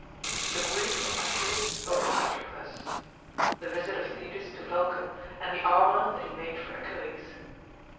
The grief of Achilles over Patroclus—The visit of Thetis to Vulcan and the armour that he made for Achilles.